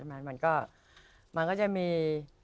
มันก็มันก็จะมี